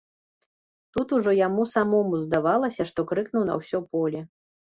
Тут ужо яму самому здавалася, што крыкнуў на ўсё поле.